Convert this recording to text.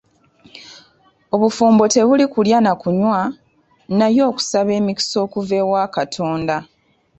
Obufumbo tebuli ku kulya na kunywa naye n'okusaba emikisa okuva ewa Katonda.